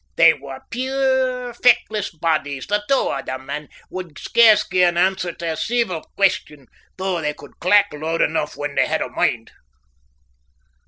They were puir, feckless bodies, the twa o' them, and would scarce gie an answer tae a ceevil question, though they could clack lood eneugh when they had a mind.